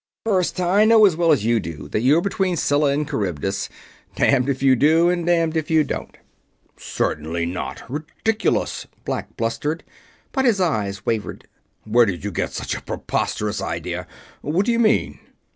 First, I know as well as you do that you're between Scylla and Charybdis damned if you do and damned if you don't." "Certainly not! Ridiculous!" Black blustered, but his eyes wavered. "Where did you get such a preposterous idea? What do you mean?"